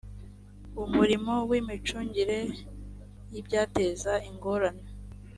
umurimo w imicungire y ibyateza ingorane